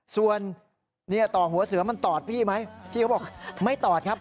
ส่วนต่อหัวเสือมันตอดพี่ไหมพี่เขาบอกไม่ตอบครับ